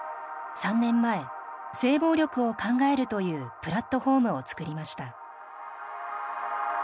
３年前「性暴力を考える」というプラットホームを作りました。